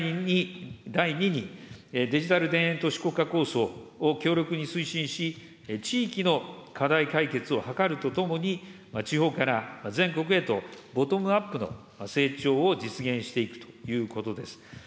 第二に、デジタル田園都市国家構想を強力に推進し、地域の課題解決を図るとともに、地方から全国へとボトムアップの成長を実現していくということです。